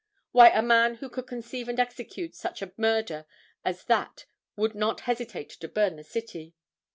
Why, a man who could conceive and execute such a murder as that would not hesitate to burn the city.